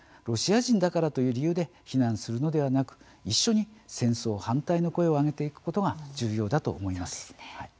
ロシア人だからという理由で非難するのではなく、一緒に戦争反対の声を上げていくことが重要だと思います。